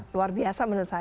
luar biasa menurut saya